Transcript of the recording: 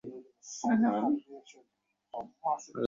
তিনি হল্যান্ড ও হামবুর্গে চিকিৎসা করার পর ইংলেন্ডে চলে যান।